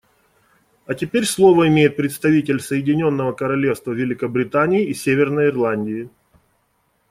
А теперь слово имеет представитель Соединенного Королевства Великобритании и Северной Ирландии.